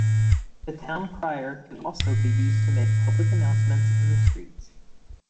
The town crier can also be used to make public announcements in the streets.